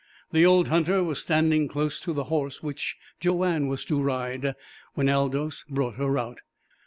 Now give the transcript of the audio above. The old hunter was standing close to the horse which Joanne was to ride when Aldous brought her out.